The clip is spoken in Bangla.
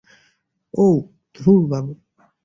ওউ, ধুর বাল।